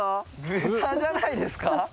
豚じゃないですか？